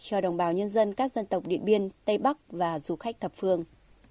cho đồng bào nhân dân các dân tộc điện biên tây bắc và du khách thập phương